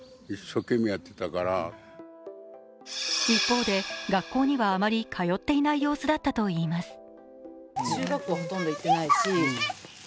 一方で学校にはあまり通っていない様子だったといいます。